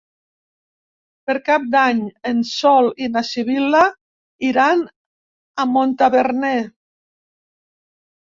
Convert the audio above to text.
Per Cap d'Any en Sol i na Sibil·la iran a Montaverner.